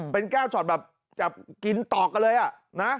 เป็นแก้วช็อตแบบกินตอกกันเลย